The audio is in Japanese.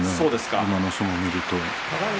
今の相撲を見ると。